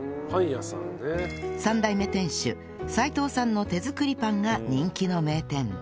３代目店主齊藤さんの手作りパンが人気の名店